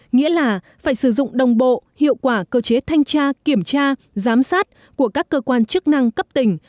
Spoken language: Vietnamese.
nghĩa là phải sử dụng đồng bộ hiệu quả cơ chế thanh tra kiểm tra giám sát của các cơ quan chức năng cấp tỉnh